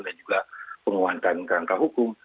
dan juga penguatan rangka hukum